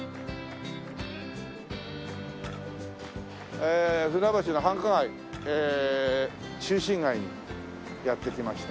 えー船橋の繁華街中心街にやって来ました。